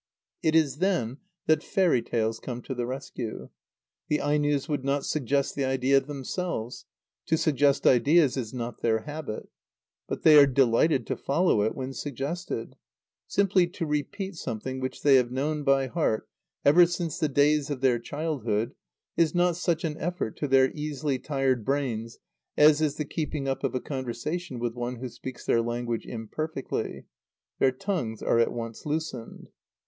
It is then that fairy tales come to the rescue. The Ainos would not suggest the idea themselves. To suggest ideas is not their habit. But they are delighted to follow it when suggested. Simply to repeat something which they have known by heart ever since the days of their childhood is not such an effort to their easily tired brains as is the keeping up of a conversation with one who speaks their language imperfectly. Their tongues are at once loosened.